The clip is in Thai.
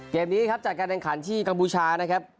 เกมนี้จากการแห่งขันภายในกัมพูชานะครับ